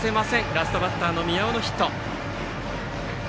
ラストバッターの宮尾のヒット。